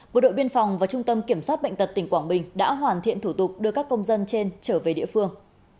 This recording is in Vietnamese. bộ đội biên phòng và trung tâm kiểm soát bệnh tật tỉnh quảng bình đã hoàn thiện thủ tục đưa các công dân trên trở về địa phương